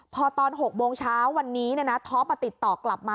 พอตอน๖โมงเช้าวันนี้ท็อปติดต่อกลับมา